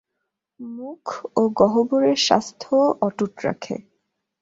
মুখ ও গহ্বরের স্বাস্থ্যও অটুট রাখে।